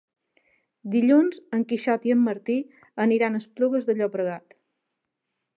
Dilluns en Quixot i en Martí aniran a Esplugues de Llobregat.